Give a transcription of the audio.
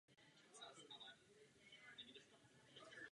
Dovolte, abych přešla přímo k věci.